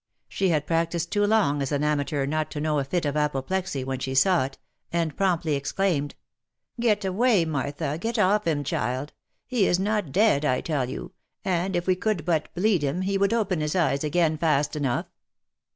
She had practised too long as an amateur not to know a fit of apoplexy when she saw it, and promptly ex claimed, '? Get away, Martha ! Get off of him, child ! He is not dead, I tell you, and, if we could but bleed him, he would open his eyes again fast enough."